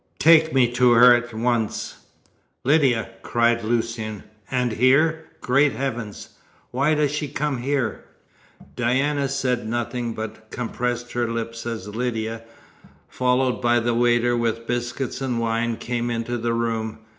Take me to her at once." "Lydia!" called Lucian, "and here? Great heavens! Why does she come here?" Diana said nothing, but compressed her lips as Lydia, followed by the waiter with the biscuits and wine, came into the room.